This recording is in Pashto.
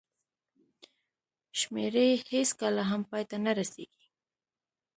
شمېرې هېڅکله هم پای ته نه رسېږي.